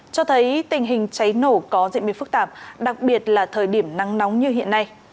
cho thấy tình hình cháy nổ có diễn biến phức tạp đặc biệt là thời điểm nắng nóng như hiện nay